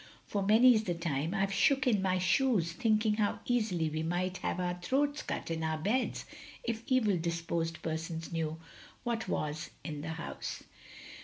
For many 's the time I 've shook in my shoes thinking how easily we might have our throats cut in our beds if evil disposed persons knew what was in the house.